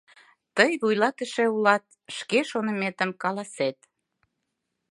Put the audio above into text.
— Тый «вуйлатыше» улат, шке шоныметым каласет.